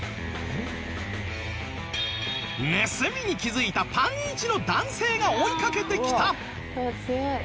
盗みに気づいたパンイチの男性が追いかけてきた！